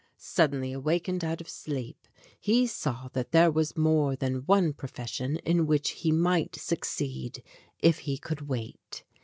Suddenly awakened out of sleep, he saw that there was more than one profession in which he might succeed if he could wait.